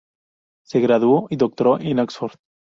Se graduó y doctoró en Oxford.